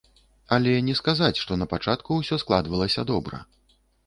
Але не сказаць, што напачатку усё складвалася добра.